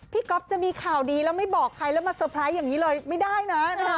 ก๊อฟจะมีข่าวดีแล้วไม่บอกใครแล้วมาเตอร์ไพรส์อย่างนี้เลยไม่ได้นะ